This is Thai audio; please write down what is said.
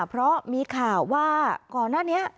เพราะมีข่าวว่าก่อนหน้านี้